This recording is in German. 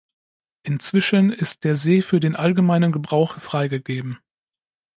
Inzwischen ist der See für den allgemeinen Gebrauch freigegeben.